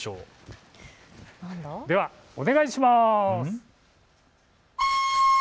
では、お願いします。